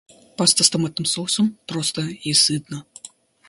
Паста с томатным соусом - просто и сытно.